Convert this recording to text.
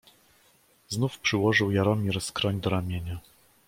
"Znów przyłożył Jaromir skroń do ramienia."